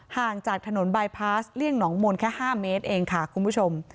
ห่างจากถนนบายพาสเลี่ยงหนองมนต์แค่๕เมตรเองค่ะคุณผู้ชม